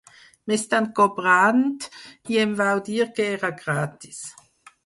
M'estan cobrant i em vau dir que era gratis.